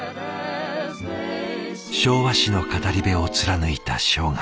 昭和史の語り部を貫いた生涯。